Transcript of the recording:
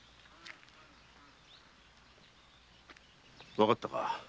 わかったか？